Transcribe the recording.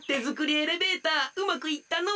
エレベーターうまくいったのう。